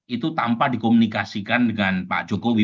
itu tanpa dikomunikasikan dengan pak jokowi